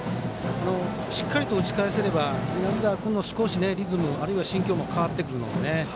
しっかりと打ち返せれば南澤君のリズムあるいは心境も変わってくるのでね。